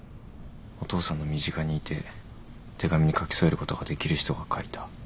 お父さんの身近にいて手紙に描き添えることができる人が描いた。